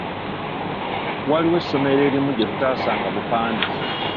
Waliwo essomero erimu gye tutaasanga bupande.